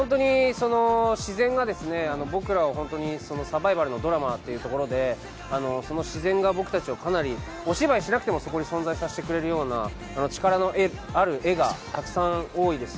自然が僕らをサバイバルのドラマというところで自然が、お芝居しなくてもそこにいさせてくれるような、力のある画が多いです。